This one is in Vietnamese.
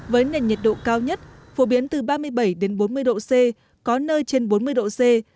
với nền nhiệt độ cao nhất phổ biến từ ba mươi bảy bốn mươi độ c có nơi trên bốn mươi độ c